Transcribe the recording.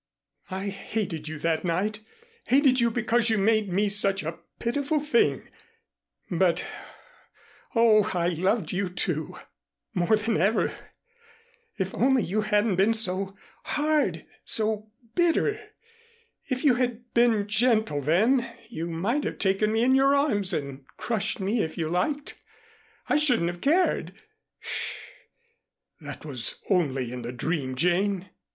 I hated you that night hated you because you made me such a pitiful thing; but Oh, I loved you, too, more than ever. If only you hadn't been so hard so bitter. If you had been gentle then, you might have taken me in your arms and crushed me if you liked. I shouldn't have cared." "Sh that was only in the dream, Jane."